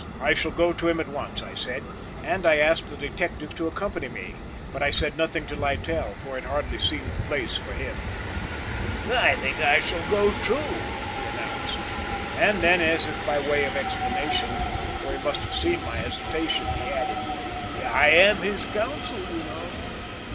"I shall go to him at once," I said, and I asked the detective to accompany me, but I said nothing to Littell, for it hardly seemed the place for him. "I think I shall go too," he announced, and then as if by way of explanation, for he must have seen my hesitation, he added, "I am his counsel, you know."